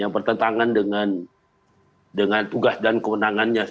pertentangan dengan tugas dan kemenangannya